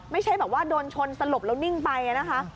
ไม่ใช่แบบว่าโดนชนสลบแล้วนิ่งไปนะคะ